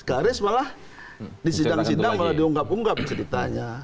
ke arief malah disidang sidang malah diunggap unggap ceritanya